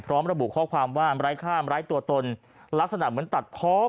ระบุข้อความว่าไร้ข้ามไร้ตัวตนลักษณะเหมือนตัดพร้อม